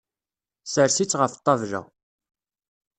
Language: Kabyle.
Sers-itt ɣef ṭṭabla.